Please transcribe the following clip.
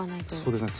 そうですね。